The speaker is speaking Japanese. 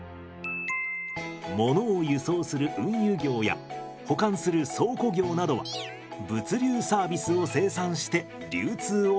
ものを輸送する運輸業や保管する倉庫業などは物流サービスを生産して流通をサポートしています。